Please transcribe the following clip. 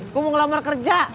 gue mau ngelamar kerja